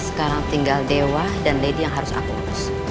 sekarang tinggal dewa dan lady yang harus aku harus